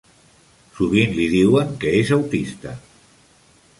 Sovint li diuen que és autista.